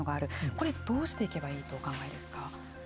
これ、どうしていけばいいとお考えですか。